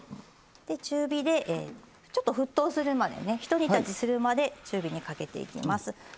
で中火でちょっと沸騰するまでね一煮立ちするまで中火にかけていきます。